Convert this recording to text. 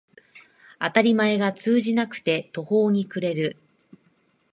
当たり前が通じなくて途方に暮れる